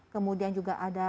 kemudian juga ada